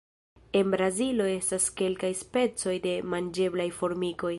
En Brazilo estas kelkaj specoj de manĝeblaj formikoj.